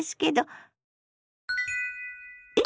えっ！